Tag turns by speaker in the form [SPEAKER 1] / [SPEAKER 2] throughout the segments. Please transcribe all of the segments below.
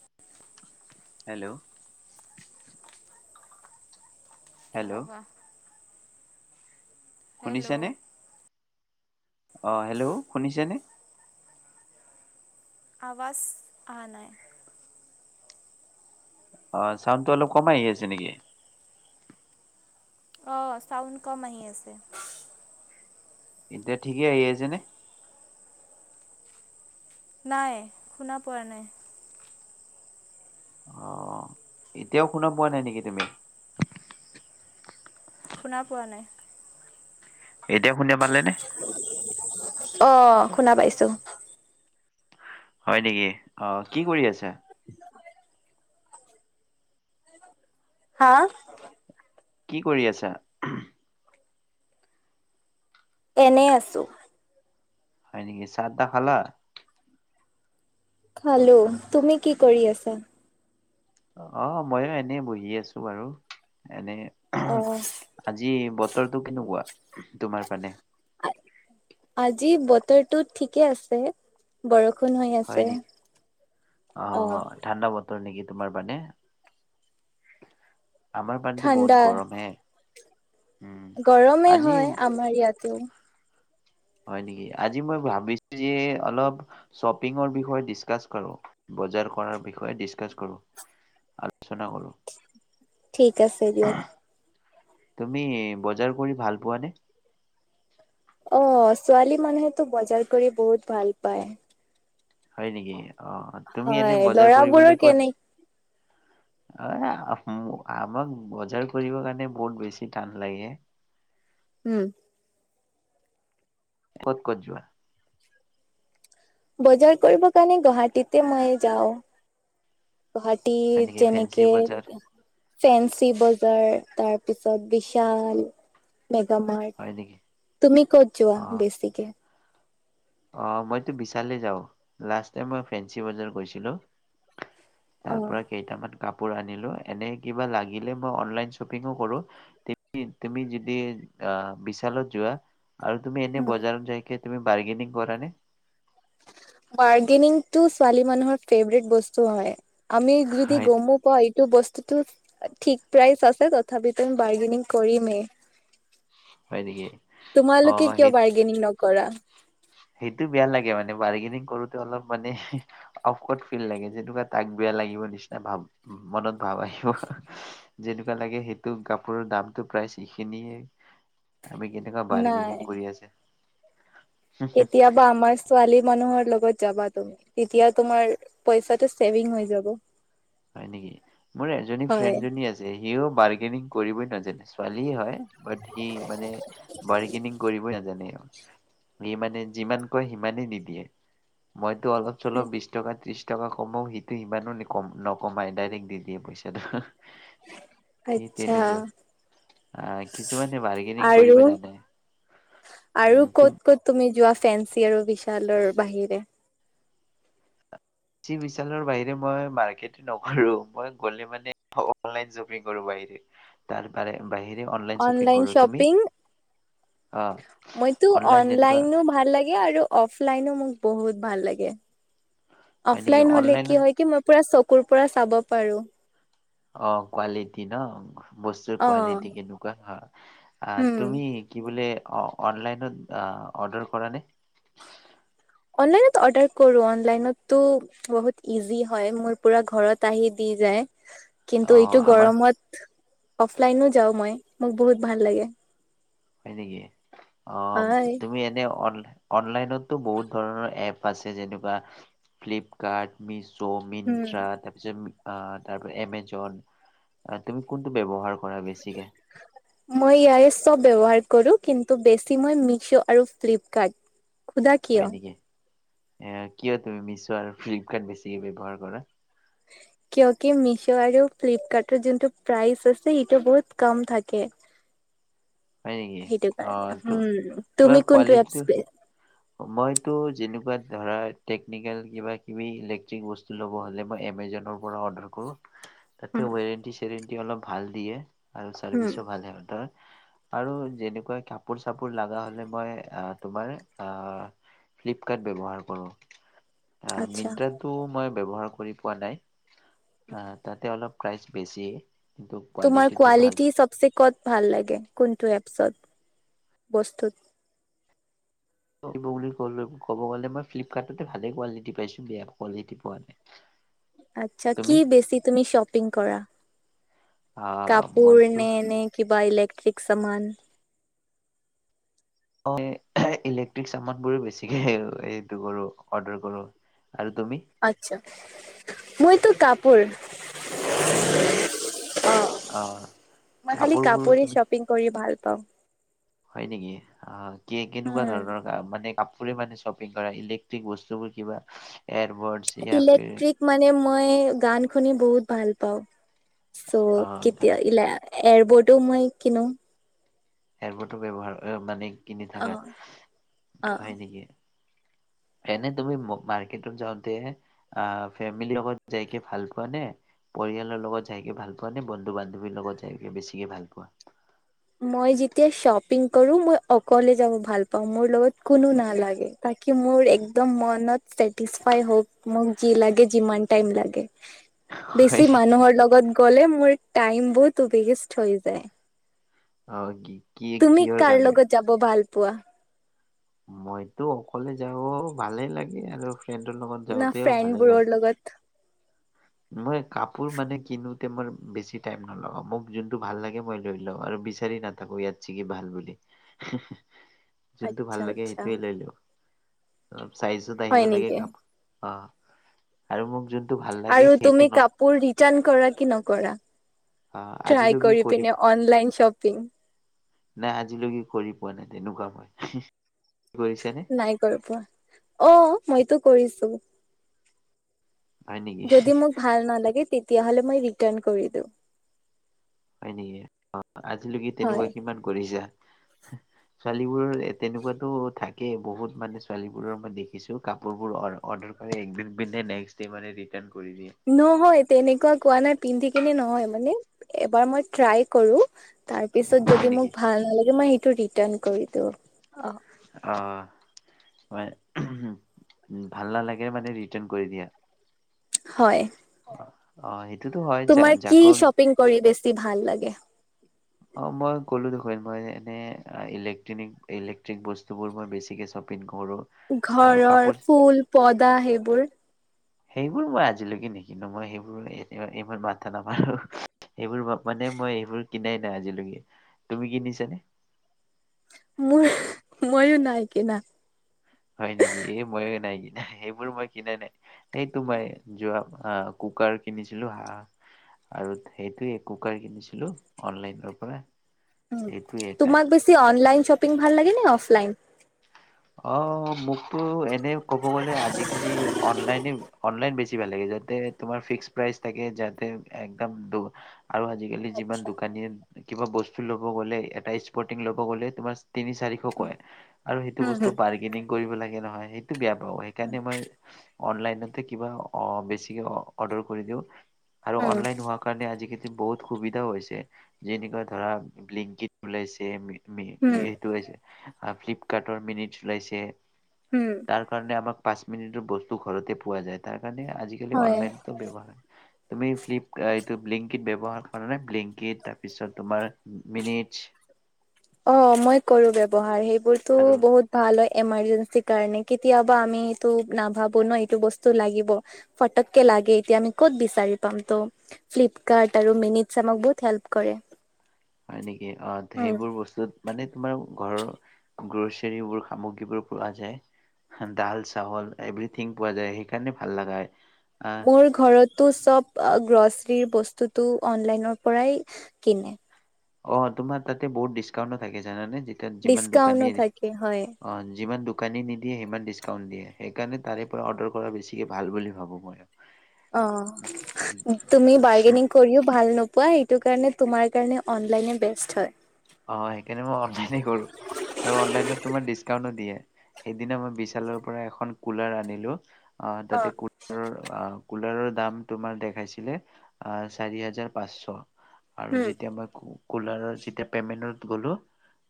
[SPEAKER 1] চে
[SPEAKER 2] hello hello
[SPEAKER 1] কবা hello
[SPEAKER 2] শুনিছেনে অ হেল্ল' শুনিছেনে।
[SPEAKER 1] আৱাজ অহা নাই
[SPEAKER 2] অ চাউণ্ডটো অলপ কমাই আহি আছে নেকি
[SPEAKER 1] অ চাউণ্ড কম আহি আছে।
[SPEAKER 2] এতিয়া ঠিকেই আহি আছেনে
[SPEAKER 1] নাই শুনা পোৱা নাই।
[SPEAKER 2] অ এতিয়াও শুনা পোৱা নাই নেকি তুমি
[SPEAKER 1] শুনা পোৱা নাই।
[SPEAKER 2] এতিয়া শুনা পালে নে
[SPEAKER 1] অ শুনা পাইছো।
[SPEAKER 2] হয় নেকি অ কি কৰি আছে
[SPEAKER 1] হা
[SPEAKER 2] কি কৰি আছা
[SPEAKER 1] এনেই আছো
[SPEAKER 2] হয় নেকি ছাহ তাহ খালা।
[SPEAKER 1] খালো তুমি কি কৰি আছা।
[SPEAKER 2] অ ময়ো এনে বহি আছো বাৰু এনে
[SPEAKER 1] অ'।
[SPEAKER 2] আজি বতৰটো কেনেকুৱা তোমাৰ পানে
[SPEAKER 1] আজি বতৰটো ঠিকে আছে বৰফ বৰষুণ হৈ
[SPEAKER 2] হয়
[SPEAKER 1] আছে
[SPEAKER 2] নেকি
[SPEAKER 1] আহ
[SPEAKER 2] ৰ নেকি তোমাৰ মানে [unintelligible] আমাৰ ফালেটো বহুত
[SPEAKER 1] ঠাণ্ডা,
[SPEAKER 2] গৰম হে উম
[SPEAKER 1] গৰমে হয়
[SPEAKER 2] আজি
[SPEAKER 1] আমাৰ ইয়াতো
[SPEAKER 2] হয় নেকি আজি মই ভাবিছোঁ যে অলপ চপীংৰ বিষয়ে ডিছকাছ কৰোঁ। বজাৰ কৰাৰ বিষয়ে ডিছকাছ কৰোঁ আলোচনা কৰোঁ
[SPEAKER 1] ঠিক আছে দিয়া
[SPEAKER 2] তুমি বজাৰ কৰি ভাল পোৱানে
[SPEAKER 1] অ ছোৱালী মানুহেতো বজাৰ কৰি বহুত ভাল পায়।
[SPEAKER 2] হয় নেকি অ তুমি এনে বজাৰ কৰিবলৈ ক'ত
[SPEAKER 1] সে
[SPEAKER 2] অ আমাক বজাৰ কৰিব কাৰণে বহুত বেছি টান লাগে
[SPEAKER 1] উম।
[SPEAKER 2] কত কত যোৱা
[SPEAKER 1] বজাৰ কৰিব কাৰণে গুৱাহাটীতে মই যাওঁ।
[SPEAKER 2] হয়
[SPEAKER 1] গুৱাহাটীত
[SPEAKER 2] নেকি? ফেঞ্চি
[SPEAKER 1] যেনেকে
[SPEAKER 2] বজাৰ
[SPEAKER 1] ফেন্ঞ্চি বজাৰ তাৰপিছত বিশাল মেগামাৰ্ট
[SPEAKER 2] হয় নেকি?
[SPEAKER 1] তুমি ক'ত যোৱা
[SPEAKER 2] অ',
[SPEAKER 1] বেছিকে
[SPEAKER 2] অ মইতো বিশালেই যাওঁ লাষ্ট টাইম মই ফেঞ্চি বজাৰ গৈছিলোঁ।
[SPEAKER 1] অ
[SPEAKER 2] তাৰ পৰা কেইটামান কাপোৰ আনিলো এনে কিবা লাগিলে মই অনলাইন শ্বপিঙো কৰো তুমি যদি আহ বিশালত যোৱা আৰু তুমি এনে
[SPEAKER 1] উম
[SPEAKER 2] বজাৰত যাই তুমি বাৰ্গেনিং কৰা নে
[SPEAKER 1] বাৰ্গেনিংটো ছোৱালী মানুহৰ ফেভৰেট বস্তু হয়। আমি যদি
[SPEAKER 2] হয়
[SPEAKER 1] গমো পাও এইটো বস্তুতটো ঠিক প্ৰাইচ আছে তথাপি তুমি বাৰ্গেনিং কৰিমেই
[SPEAKER 2] হয় নেকি অ
[SPEAKER 1] তোমালোকে কিয়
[SPEAKER 2] সেই
[SPEAKER 1] বাৰ্গেনিং নকৰা
[SPEAKER 2] সেইটো বেয়া লাগে মানে বাৰ্গেনিং কৰোতে অলপ মানে অফকট ফিল লাগে যিহেতু তাক বেয়া লাগিব নিচিনা ভাবোঁ মনত ভাব আহিব যেনেকুৱা লাগে সেইটো কাপোৰৰ দামতটো প্ৰায়িখিনিয়ে
[SPEAKER 1] [unintelligible]
[SPEAKER 2] আমি কেনেকুৱা
[SPEAKER 1] নাই
[SPEAKER 2] বাৰ্গেনিং কৰি আছে
[SPEAKER 1] কেতিয়াবা আমাৰ ছোৱালী মানুহৰ লগত যাবা তুমি তেতিয়া তোমাৰ পইছাটো চেভিং হৈ যাব।
[SPEAKER 2] হয় নেকি, মোৰ এজনী
[SPEAKER 1] হয়
[SPEAKER 2] ফ্ৰেন্ড জনী আছে সিও বাৰ্গেইনিং কৰিবই নাজানে, ছোৱালী হয় বাত সি মানে বাৰ্গেনিং কৰিবই নাজানে সি মানে যিমান কয় সিমানেই দি দিয়ে মই অলপ চলপ বিশ টকা ত্ৰিশ টকা কমাও সিটো সিমানো নি নক কমাই ডাইৰেক্ট দি দিয়ে পইচাটো।
[SPEAKER 1] আচ্ছা।
[SPEAKER 2] আ, কিছুমানে বাৰ্গেনিং
[SPEAKER 1] আৰু
[SPEAKER 2] কৰিব জানে।
[SPEAKER 1] আৰু
[SPEAKER 2] উম তুম
[SPEAKER 1] ক'ত ক'ত তুমি যোৱা ফেন্সী আৰু বিশালৰ বাহিৰে?
[SPEAKER 2] বিশালৰ বাহিৰে মই মাৰ্কেট নকৰো মই গলে মানে ্বো [unintelligible] ব বাহি অনলাইন শ্বপিং কৰো তুমি অ
[SPEAKER 1] মইতো
[SPEAKER 2] অনলাইন যেনেকুৱা
[SPEAKER 1] অনলাইনো ভাল লাগে আৰু অফলাইনো মোক বহুত ভাল লাগে।
[SPEAKER 2] হয় নেকি
[SPEAKER 1] অফলাইন হলে
[SPEAKER 2] অনলাইনত
[SPEAKER 1] কি হয় কি মই পোৰা চপিং ক কুৰ [unintelligible] পৰা চাব পাৰো
[SPEAKER 2] অ কোৱালিটি ন বস্তুৰ
[SPEAKER 1] অ',
[SPEAKER 2] কোৱালিটি কেনেকুৱা হা আহ
[SPEAKER 1] হুম।
[SPEAKER 2] তুমি কি বুলি অ অনলাইনত অৰ্ডাৰ কৰা নাই।
[SPEAKER 1] [unintelligible] অৰ্ডাৰ কৰোঁ অনলাইনতটো বহুত ইজি হয় মোৰ পুৰা ঘৰত আহি দি যায়। কিন্তু
[SPEAKER 2] অ',
[SPEAKER 1] এইটো
[SPEAKER 2] আমাৰ
[SPEAKER 1] গৰমত অফলাইনো যাওঁ মই মোক বহুত ভাল লাগে।
[SPEAKER 2] হয় নেকি অ',
[SPEAKER 1] হয়।
[SPEAKER 2] তুমি এনে অনলাই অনলাইনতটো বহুত ধৰণৰ এপ আছে যেনেকুৱা ফ্লিপকাৰ্ট মিছ য'
[SPEAKER 1] উম।
[SPEAKER 2] মিণ্ট্ৰা তাৰপিছত আ, তাৰপৰা এমেজন আ, তুমি কোনটো ব্যৱহাৰ কৰা বেছিকে
[SPEAKER 1] মই ইয়াৰে চব ব্যৱহাৰ কৰোঁ, কিন্তু বেছি মই মীছো আৰু ফ্লিপকাৰ্ট, সোধা কিয়?
[SPEAKER 2] আ, কিয় তুমি মিছো আৰু ফ্লিপকাৰ্ট বেছিকে ব্যৱহাৰ কৰা?
[SPEAKER 1] [inaudible] কিয় কি মিছ' আৰু ফ্লিপকাৰ্টৰ যোনটো প্ৰাইচ আছে ইটো বহুত কম থাকে।
[SPEAKER 2] হয় নেকি?
[SPEAKER 1] সেইটো
[SPEAKER 2] অ',
[SPEAKER 1] কাৰণে
[SPEAKER 2] তো
[SPEAKER 1] হুম তুমি কোনটো এপছ
[SPEAKER 2] মইটো যেনেকুৱা ধৰা টেকনিকেল কিবা কিবি ইলেক্ট্ৰিক বস্তু ল'ব হ'লে, মই এমেজনৰ পৰা অৰ্ডাৰ কৰোঁ।
[SPEAKER 1] উম,
[SPEAKER 2] তাতে ৱেৰেণ্টি চেৰেণ্টি অলপ ভাল দিয়ে আৰু
[SPEAKER 1] উম,
[SPEAKER 2] চাৰ্ভিচো ভালে সিহঁতৰ। আৰু যেনেকুৱা কাপোৰ চাপোৰ লাগা হলে মই আ, মই তোমাৰ আ, ফ্লিপকাৰ্ট ব্যৱহাৰ কৰোঁ, আ
[SPEAKER 1] আচ্ছা।
[SPEAKER 2] মিণ্ট্ৰাটো মই ব্যৱহাৰ কৰি পোৱা নাই আ, তাতে অলপ প্ৰাইচ বেছি।
[SPEAKER 1] তোমাৰ কোৱালিটি চবচে কত ভাল লাগে কোনটো এপছত, বস্তুত
[SPEAKER 2] বুলি ক ক'ব গ'লে মই ফ্লিপকাৰ্টতে ভালে কোৱালিটি পাইছো বেয়া কোৱালিটি পোৱা নাই।
[SPEAKER 1] আচ্ছা
[SPEAKER 2] তুমি
[SPEAKER 1] কি বেছি তুমি শপিং কৰা?
[SPEAKER 2] আহ
[SPEAKER 1] কাপোৰ
[SPEAKER 2] মইতো
[SPEAKER 1] নে-নে কিবা ইলেক্ট্ৰিক? সামান।
[SPEAKER 2] অ', ইলেক্ট্ৰিক চামান বোৰো বেছিকে এইটো কৰো অৰ্ডাৰ কৰো। আৰু তুমি
[SPEAKER 1] আচ্ছা মইতো কাপোৰ।
[SPEAKER 2] হয় নেকি
[SPEAKER 1] অ',
[SPEAKER 2] অ', কাপোৰবোৰো তুমি
[SPEAKER 1] ত'
[SPEAKER 2] হয় নেকি অ', কি কেনেকুৱা
[SPEAKER 1] উম।
[SPEAKER 2] ধৰণৰ মানে কা কাপোৰে মানে শ্বপিং কৰা ইলেক্ট্ৰিক বস্তুবোৰ কিবা এয়াৰবডছ য়া ফিৰ
[SPEAKER 1] ইলেক্ট্ৰিক মানে মই গান শুনি বহুত ভাল পাওঁ।
[SPEAKER 2] আ
[SPEAKER 1] চ' কেতিয়া ইলা এয়াৰবটো মই কিনো।
[SPEAKER 2] ইয়াৰপতো ব্যৱহাৰ অ, মানে কিনি
[SPEAKER 1] অ'।
[SPEAKER 2] থাকা,
[SPEAKER 1] অ'।
[SPEAKER 2] হয় নেকি?
[SPEAKER 1] [inaudible]
[SPEAKER 2] এনে তুমি মাৰ্কটত যাওঁতে ফেমিলিৰ লগত যাইকে ভাল পোৱা নে পৰিয়ালৰ লগত যাইকে ভাল পোৱা নে বন্ধু বান্ধৱীৰ লগত যাইকে বেছিকে ভাল পোৱা
[SPEAKER 1] মই যেতিয়া শোপিং কৰোঁ মই অকলে যাব ভাল পাওঁ। মোৰ লগত কোনো নালাগে মোৰ একদম মনত ছেটিচফাই হওক মোক যি লাগে যিমান টাইম লাগে
[SPEAKER 2] হয়
[SPEAKER 1] বেছি
[SPEAKER 2] নেকি
[SPEAKER 1] মানুহৰ লগত গ'লে মোৰ টাইম বহুত ওৱেষ্ট হৈ যায়।
[SPEAKER 2] অ কি কি
[SPEAKER 1] তুমি
[SPEAKER 2] কিহৰ
[SPEAKER 1] কাৰ
[SPEAKER 2] কাৰণে
[SPEAKER 1] লগত যাব ভাল পোৱা
[SPEAKER 2] মইতো অকলে যাব ভালে লাগে আৰু ফ্ৰেণ্ডৰ লগত
[SPEAKER 1] না
[SPEAKER 2] যাওঁতেও ভালে লাগে
[SPEAKER 1] ফ্ৰেণ্ডবোৰৰ লগত
[SPEAKER 2] মই কাপোৰ মানে কিনো মই বেছি টাইম নলগাও, মোক যোনটো ভাল লাগে মই লৈ লওঁ আৰু বিচাৰি নাথাকো ইয়াত চিকি ভাল বুলি। যোনটো ভাল
[SPEAKER 1] আচ্ছা
[SPEAKER 2] লাগে
[SPEAKER 1] আচ্ছা
[SPEAKER 2] সেইটোৱে লৈ লওঁ। অ', চাইজত আহিব
[SPEAKER 1] হয়
[SPEAKER 2] লাগে
[SPEAKER 1] নেকি?
[SPEAKER 2] কাপোৰ অ, আৰু মোক যোনটো ভাল লাগে।
[SPEAKER 1] আৰু
[SPEAKER 2] সেইটো
[SPEAKER 1] তুমি
[SPEAKER 2] ন
[SPEAKER 1] কাপোৰ ৰিটাৰ্ন কৰা কি নকৰা?
[SPEAKER 2] অ
[SPEAKER 1] ট্ৰাই
[SPEAKER 2] আজিলৈকে
[SPEAKER 1] কৰি পিনে অনলাইন শ্বপিং।
[SPEAKER 2] নাই আজিলৈকে কৰি পোৱা নাই তেনেকুৱা মই। কৰিছানে
[SPEAKER 1] নাই কৰি পোৱা অ', মইতো কৰিছোঁ।
[SPEAKER 2] হয় নেকি
[SPEAKER 1] যদি মোক ভাল নালাগে তেতিয়াহলে মই ৰিটাৰণ কৰি দিওঁ।
[SPEAKER 2] হয় নেকি অ আজিলৈকে
[SPEAKER 1] হয়
[SPEAKER 2] তেনেকুৱা কিমান কৰিছা
[SPEAKER 1] [unintelligible]
[SPEAKER 2] ছোৱালীবোৰৰ এ তেনেকুৱাতো থাকেই বহুত মানে ছোৱালীবোৰৰ মই দেখিছো কাপোৰবোৰ অ অ পিন্ধে নেষ্কডে মানে ৰিটান কৰে
[SPEAKER 1] নহয় তেনেকুৱা কোৱা নাই পিন্ধি কিনে নহয় মানে এবাৰ মই ট্ৰাই কৰোঁ তাৰপিছত
[SPEAKER 2] হয়
[SPEAKER 1] যদি
[SPEAKER 2] নেকি
[SPEAKER 1] মোক ভাল নালাগে মই ৰিতান কৰি দিও।
[SPEAKER 2] অ ম ভাল নালাগে মানে ৰিটাৰ্ণ কৰি দিয়া।
[SPEAKER 1] হয়
[SPEAKER 2] অ সেইটো
[SPEAKER 1] তোমাৰ কি শ্বপিং কৰি বেছি ভাল লাগে
[SPEAKER 2] অ মই কলো দেখোন এনে এলেট্ৰিক বস্তুবোৰ মই বেছিকে শ্বপিং কৰো আৰু
[SPEAKER 1] ঘৰৰ
[SPEAKER 2] কাপোৰ
[SPEAKER 1] ফুল পদা সেইবোৰ
[SPEAKER 2] সেইবোৰ মই আজিলৈকে নেকনো মই সেইবোৰ ইমান মাথা নামাৰোঁ। সেইবোৰ মানে মই সেইবোৰ কিনাই নাই আজিলৈকে তুমি কিনিছানে
[SPEAKER 1] মোৰ মইয়ো নাই কিনা
[SPEAKER 2] হয় নেকি এই মই নাই কি এইবোৰ মই কিনা নাই এইটো মই যোৱা কুকাৰ কিনিছিলো হা আৰু সেইটোৱে কুকাৰ কিনিছিলো অনলাইনৰ পৰা
[SPEAKER 1] উ
[SPEAKER 2] সেইটোৱে এটা
[SPEAKER 1] তোমাক বেছি অনলাইন শ্বপিং ভাল লাগে নে অফলাইন
[SPEAKER 2] অ মোকতো এনে ক'ব গলে আজিকালি অনলাইনে অনলাইন বেছি ভাল লাগে যে তোমাৰ ফিক্স প্ৰাইচ থাকে যাতে একদম আৰু আজিকালি যিমান
[SPEAKER 1] আচ্ছা
[SPEAKER 2] দোকানীয়ে কিবা বস্তু লব গলে এটা স্পৰ্তিং লব গলে তোমাৰ তিনি চাৰিখ কয় আৰু সেইটো
[SPEAKER 1] উম
[SPEAKER 2] বস্তো বাৰ্গেনিং কৰিব লাগে নহয় সেইটো বেয়া পাব সেইকাৰণে মই অনলাইনতে কিবা অ বেছিকে অৰ্ডাৰ কৰি দিওঁ আৰু
[SPEAKER 1] হম
[SPEAKER 2] অনলাইন হোৱাৰ কাৰণে আজি বহুত সুবিধাও হৈছে যেনেকুৱা ধৰা ব্লিংকিট ওলাইছে
[SPEAKER 1] উম হম
[SPEAKER 2] এইটো ফ্লিপকাৰ্টৰ মিনিট চলাইছে
[SPEAKER 1] উম
[SPEAKER 2] তাৰ কাৰণে আমাক পাঁচ মিনিটৰ বস্তু ঘৰতে পোৱা যায় তাৰ কাৰণে আজিকালি
[SPEAKER 1] হয়।
[SPEAKER 2] অনলাইনো ব্যৱহাৰ হয়। তুমি ফ্লিপ এইটো ব্লিংকিত ব্যৱহাৰ কৰা নে ব্লিংকিত তাৰপিছত তোমাৰ মিনিটছ
[SPEAKER 1] অ মই কৰো ব্যৱহাৰ সেইবোৰতো
[SPEAKER 2] আৰু
[SPEAKER 1] বহুত ভাল হয় এমাৰযেনচি কাৰনে কেতিযাবা আমিটো নাভাবোঁ ন এইটো বস্তু লাগিব। পৰককে এতিয়া আমি কত বিছাৰি পাম ত ফ্লিপকাৰ্ট আৰু মিনিটছ আমাক বহুত হেলপ কৰে।
[SPEAKER 2] হয় নেকি অ',
[SPEAKER 1] উম।
[SPEAKER 2] সেইবোৰ বস্তুত মানে তোমাৰ ঘৰৰ গ্ৰচাৰীবোৰ সামগ্ৰীবোৰ পোৱা যায়। ডাল চাৱল এভৰিথিং পোৱা যায় সেইকাৰণে ভাল লগা আহ
[SPEAKER 1] মোৰ ঘৰতো চব গ্ৰছ বস্তুটো অনলাইনৰ পৰাই কিনে।
[SPEAKER 2] অ', তোমাৰ তাতে বহুত ডিছকাউণ্টো থাকে জানানে? যিমান
[SPEAKER 1] ডিচকাউন্টো
[SPEAKER 2] দোকানী অ',
[SPEAKER 1] থাকে হয়।
[SPEAKER 2] যিমান দো দোকানী নিদিয়ে সিমান ডিছকাউণ্ট দিয়ে সেইকাৰণে তাৰে পৰা অৰ্ডাৰ কৰা বেছিকৈ ভাল বুলি ভাবোঁ মই।
[SPEAKER 1] অ তুমি বাৰ্গেনিং কৰিও ভাল নপ সেইটো কাৰনে তোমাৰ কাৰনে অনলাইন এ বেষ্ট হয়।
[SPEAKER 2] অ সেইকাৰনে মই অনলাইন কৰো আৰু অনলাইনত তোমাৰ দিছকাওন দিয়ে। এদিন আমাৰ বিশালৰ পৰা এখন কুলাৰ অনিলো
[SPEAKER 1] অ
[SPEAKER 2] তাতে কুলাৰৰ কুলাৰৰ দাম তোমাৰ দেখাইছিলে আহ চাৰি হাজাৰ পাঁচশ আৰু
[SPEAKER 1] উম।
[SPEAKER 2] যেতিয়া মই কুলাৰৰ যেতিয়া পেমেণ্টত গলো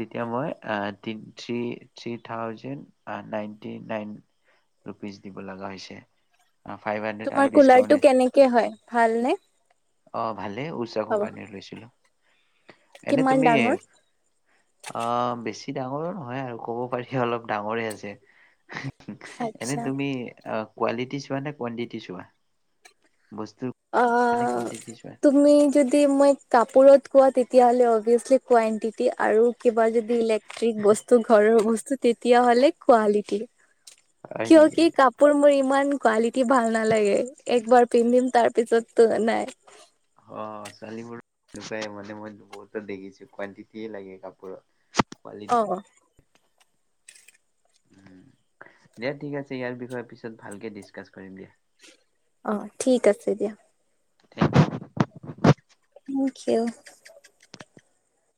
[SPEAKER 2] তেতিয়া মই ট three three thousand ninety nine rupees দিব লগা হৈছে। ফাইভ হাণ্ড্ৰেড আৰু
[SPEAKER 1] তোমাৰ কুলাৰটো
[SPEAKER 2] ডিচকাউণ্টে
[SPEAKER 1] কেনেকে হয় ভালনে?
[SPEAKER 2] অ', ভালে ঊষা
[SPEAKER 1] হ'ব,
[SPEAKER 2] কোম্পানীৰ লৈছিলোঁ। এনে
[SPEAKER 1] কিমান
[SPEAKER 2] তুমি
[SPEAKER 1] ডাঙৰ?
[SPEAKER 2] আ, বেছি ডাঙৰো নহয় আৰু ক'ব পাৰি অলপ ডাঙৰে আছে। এনে
[SPEAKER 1] আচ্ছা
[SPEAKER 2] তুমি কোৱালিটি চোৱা নে কোৱানটিটি চোৱা? বস্তুৰ মানে
[SPEAKER 1] অ',
[SPEAKER 2] কোৱানটিটি চোৱা
[SPEAKER 1] তুমি যদি মই কাপোৰত কোৱা তে তেতিয়াহ'লে অভিয়াচলি কোৱণ্টিটি আৰু কিবা যদি ইলেক্ট্ৰিক বস্তু ঘৰৰ বস্তু তেতিয়া হলে কোৱালিটি,
[SPEAKER 2] হয়
[SPEAKER 1] কিয় কি
[SPEAKER 2] নেকি
[SPEAKER 1] কাপোৰ মোৰ ইমান কোৱা ভাল নালাগে একবাৰ পিন্ধিম তাৰ পিছততো নাই।
[SPEAKER 2] অ', ছোৱালীবোৰ এনেকুৱাই মানে মই বহুতো দেখিছো কোৱানটিটিয়ে লাগে কাপোৰত। কোৱালিটি
[SPEAKER 1] অ',
[SPEAKER 2] দিয়া ঠিক আছে ইয়াৰ বিষয়ে পিছত ভালকে ডিচকাছ কৰিম দিয়া।
[SPEAKER 1] অ', ঠিক আছে দিয়া।
[SPEAKER 2] থিক
[SPEAKER 1] থেংক ইউ।